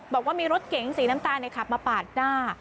บอกว่ามีรถเก๋งสีน้ำตาลขับมาปาดหน้า